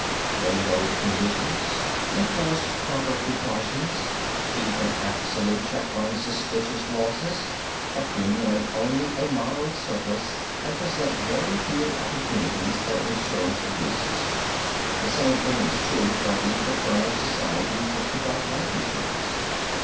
They know the conditions, enforce proper precautions, keep an absolute check on suspicious losses, accumulate only a moderate surplus and present very few opportunities for insurance abuses. The same thing is true for the fraternal societies that conduct life insurance.